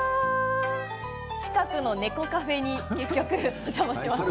近くの猫カフェにお邪魔しました。